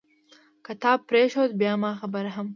که تا پرېښود بیا ما هم خبر کړه.